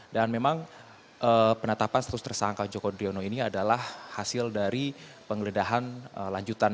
dan memang penetapan status tersangka joko riono ini adalah hasil dari penggeledahan lanjutan